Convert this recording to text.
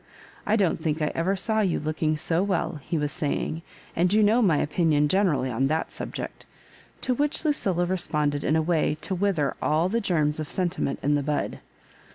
I don't think I ever saw you looking so well," he was saying ;and you know my opinion generaUy on that subject" To which Lucilla responded in a way to wither all the germs of sentiment in the bud.